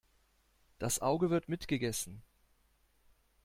Das Auge wird mitgegessen.